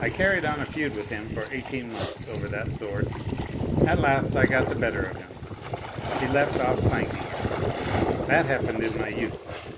I carried on a feud with him for eighteen months over that sword. At last I got the better of him. He left off clanking it. That happened in my youth, though.